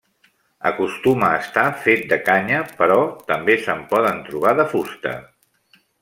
Acostuma a estar fet de canya, però també se'n poden trobar de fusta.